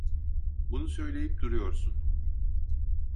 Bunu söyleyip duruyorsun.